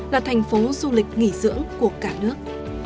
là thành phố du lịch nghỉ dưỡng của cả nước